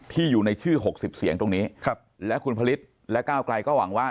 อยู่ในชื่อ๖๐เสียงตรงนี้และคุณผลิตและก้าวไกลก็หวังว่า